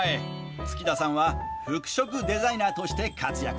月田さんは服飾デザイナーとして活躍。